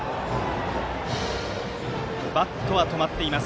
バットは止まっています。